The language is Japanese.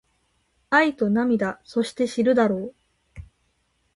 愛と涙そして知るだろう